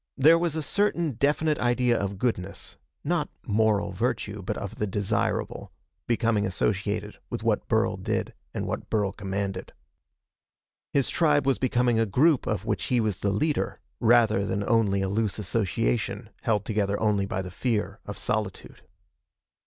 There was a certain definite idea of goodness not moral virtue, but of the desirable becoming associated with what Burl did and what Burl commanded. His tribe was becoming a group of which he was the leader, rather than only a loose association held together only by the fear of solitude.